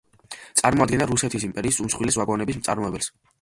წარმოადგენდა რუსეთის იმპერიის უმსხვილეს ვაგონების მწარმოებელს.